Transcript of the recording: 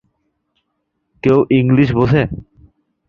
কেউ ইংলিশ বোঝে?